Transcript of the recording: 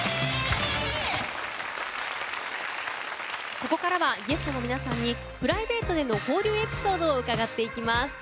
ここからはゲストの皆さんにプライベートでの交流エピソードを伺っていきます。